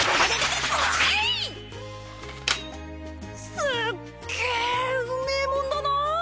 すっげえうめえもんだなぁ。